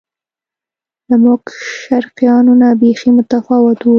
له موږ شرقیانو نه بیخي متفاوت و.